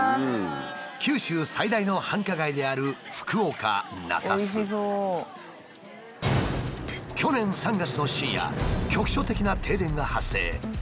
九州最大の繁華街である去年３月の深夜局所的な停電が発生。